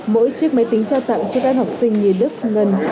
mỗi chiếc máy tính trao tặng cho các học sinh như đức ngân